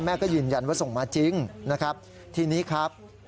แม่ก็ยืนยันว่าส่งมาจริงนะครับทีนี้ครับ